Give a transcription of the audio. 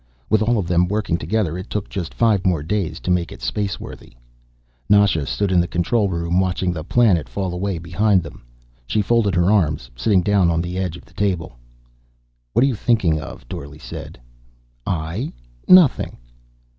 With all of them working together it took just five more days to make it spaceworthy. Nasha stood in the control room, watching the planet fall away behind them. She folded her arms, sitting down on the edge of the table. "What are you thinking?" Dorle said. "I? Nothing."